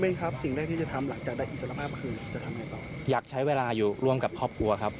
อยากใช้เวลาอยู่ร่วมกับครอบครัวครับ